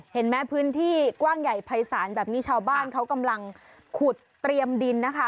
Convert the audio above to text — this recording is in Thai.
เห็นไหมพื้นที่กว้างใหญ่ภัยศาลแบบนี้ชาวบ้านเขากำลังขุดเตรียมดินนะคะ